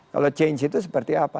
kalau change itu seperti apa